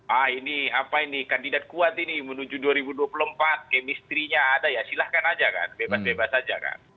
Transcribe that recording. ah ini apa ini kandidat kuat ini menuju dua ribu dua puluh empat kemistrinya ada ya silahkan aja kan bebas bebas saja kan